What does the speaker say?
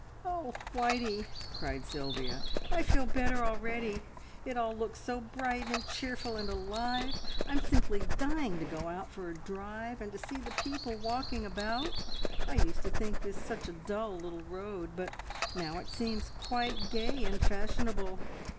"Oh, Whitey," cried Sylvia, "I feel better already! It all looks so bright, and cheerful, and alive! I'm simply dying to go out for a drive, and to see the people walking about. I used to think this such a dull little road, but now it seems quite gay and fashionable.